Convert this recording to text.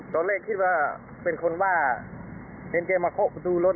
ตอนแรกคิดว่าเป็นคนว่าเห็นแกมาเคาะประตูรถ